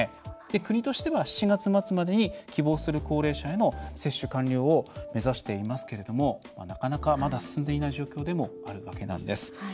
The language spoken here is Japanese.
国としては７月末までに希望する高齢者への接種完了を目指していますけれどもなかなか、まだ進んでいない状況でもあるわけなんです。